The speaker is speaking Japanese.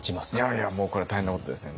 いやもうこれは大変なことですね。